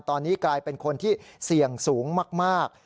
ตอนนี้กลายเป็นคนที่เสี่ยงสูงมาก